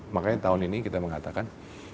makanya tahun ini kita mengatakan